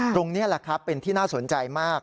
ตรงนี้แหละครับเป็นที่น่าสนใจมาก